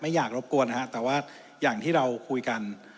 อยากรบกวนนะฮะแต่ว่าอย่างที่เราคุยกัน